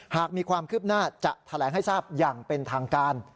หากมีความคืบหน้าจะแถลงให้ทราบอย่างเป็นทางการ